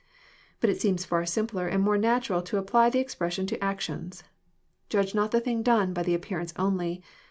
But it seems far simpler and more natural to apply the expression to " actions," —" Judge not the thing done by the appearance only.